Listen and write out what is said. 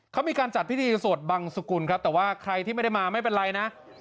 เขามีการจัดพิธีสวดบังสุกุลครับแต่ว่าใครที่ไม่ได้มาไม่เป็นไรนะ